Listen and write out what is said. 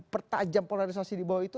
pertajam polarisasi dibawah itu